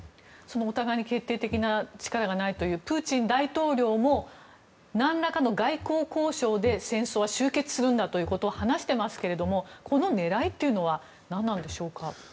お互いの決定的な力がないという、プーチン大統領も何らかの外交交渉で戦争は終結するんだということを話していますけどもこの狙いは何なんでしょうか。